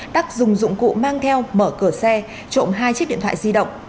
đắc dùng dụng cụ mang theo mở cửa xe trộm hai chiếc điện thoại di động